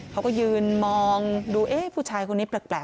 เขาก็ยืนมองดูเอ๊ะผู้ชายคนนี้แปลก